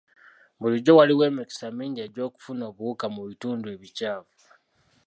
Bulijjo waliwo emikisa mingi egy'okufuna obuwuka mu bitundu ebikyafu.